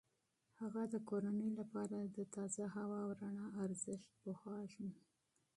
هغه د کورنۍ لپاره د تازه هوا او رڼا اهمیت پوهیږي.